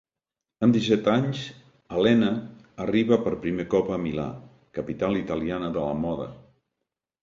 Amb disset anys, Alena, arriba per primer cop a Milà, capital italiana de la moda.